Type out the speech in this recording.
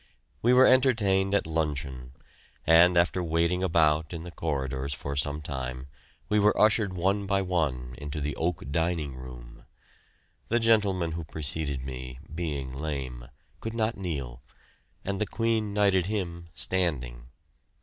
We were entertained at luncheon, and after waiting about in the corridors for some time we were ushered one by one into the oak dining room. The gentleman who preceded me, being lame, could not kneel, and the Queen knighted him standing.